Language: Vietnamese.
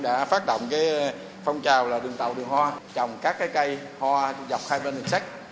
đã phát động phong trào đường tàu đường hoa trồng các cây hoa dọc hai bên đường sắt